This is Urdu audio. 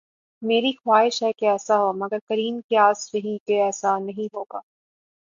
میری خواہش ہے کہ ایسا ہو مگر قرین قیاس یہی کہ ایسا نہیں ہو گا۔